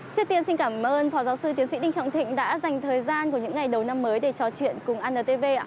trước tiên xin cảm ơn phó giáo sư tiến sĩ đinh trọng thịnh đã dành thời gian của những ngày đầu năm mới để trò chuyện cùng antv